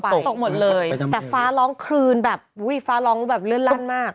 ตกหมดเลยแต่ฟ้าร้องคลืนแบบอุ้ยฟ้าร้องแบบเลื่อนลั่นมาก